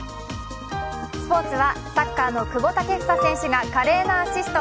スポーツは、サッカーの久保建英選手が華麗なアシスト。